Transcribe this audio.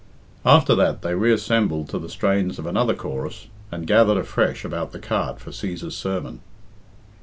After that they reassembled to the strains of another chorus, and gathered afresh about the cart for Cæsar's sermon.